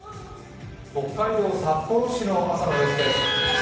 北海道札幌市の朝の様子です。